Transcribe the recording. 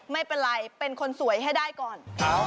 ไม่เป็นไรเป็นคนสวยให้ได้ก่อน